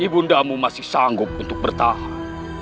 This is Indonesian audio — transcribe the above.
ibu undamu masih sanggup untuk bertahan